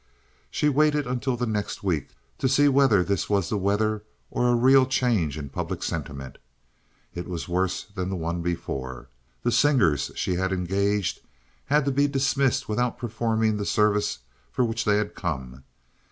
She waited until the next week to see whether this was the weather or a real change in public sentiment. It was worse than the one before. The singers she had engaged had to be dismissed without performing the service for which they had come.